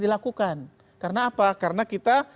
dilakukan karena apa karena kita